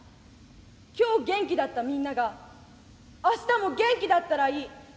今日元気だったみんなが明日も元気だったらいい。